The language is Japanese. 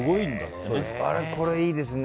これいいですね